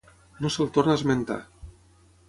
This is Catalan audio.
No se'l torna a esmentar.